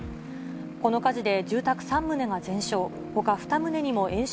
この火事で住宅３棟が全焼。